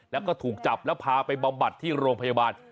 แล้วก็ถูกจับแล้วพาไปบำบัดที่โรงพยาบาล